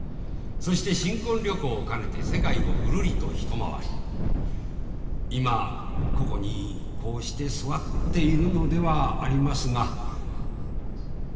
そして新婚旅行を兼ねて世界をぐるりと一回り今ここにこうして座っているのではありますが。